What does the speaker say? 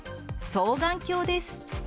双眼鏡です。